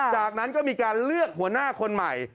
จากนั้นก็มีการเลือกหัวหน้าคนใหม่